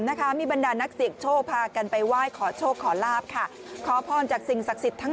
นะคะมีบรรดานักเสี่ยงโชคพากันไปไหว้ขอโชคขอลาบค่ะขอพรจากสิ่งศักดิ์สิทธิ์ทั้ง